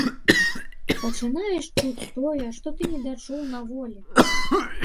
Пачынаеш чуць тое, што ты недачуў на волі.